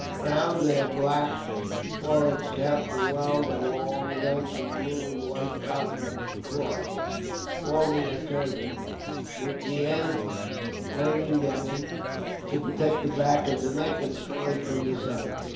Round their black forage caps was wound a long length of blue and white cotton cloth, forming a turban, with the ends hanging down to protect the back of the neck and spine from the sun.